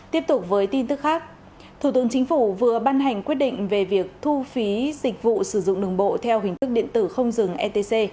tiếp tục với tin tức khác thủ tướng chính phủ vừa ban hành quyết định về việc thu phí dịch vụ sử dụng đường bộ theo hình thức điện tử không dừng etc